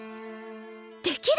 できる！